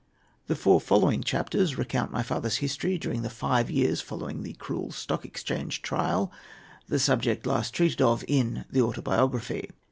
The four following chapters recount my father's history during the five years following the cruel Stock Exchange trial, the subject last treated of in the "Autobiography."